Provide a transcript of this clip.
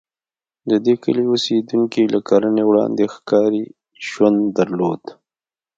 د دې کلي اوسېدونکي له کرنې وړاندې ښکاري ژوند درلود.